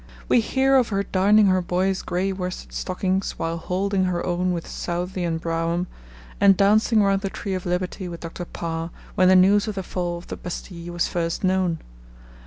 We hear of her darning her boy's grey worsted stockings while holding her own with Southey and Brougham, and dancing round the Tree of Liberty with Dr. Parr when the news of the fall of the Bastille was first known.